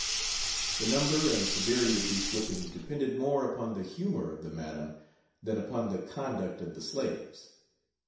The number and severity of these whippings depended more upon the humor of the madam than upon the conduct of the slaves.